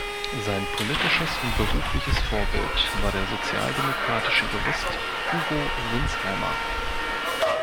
Sein politisches und berufliches Vorbild war der sozialdemokratische Jurist Hugo Sinzheimer.